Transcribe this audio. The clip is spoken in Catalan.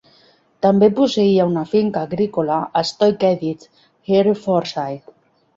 També posseïa una finca agrícola a Stoke Edith, Herefordshire.